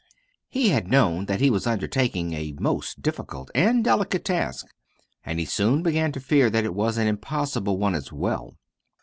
He had known that he was undertaking a most difficult and delicate task, and he soon began to fear that it was an impossible one, as well.